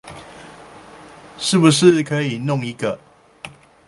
是不是可以弄一個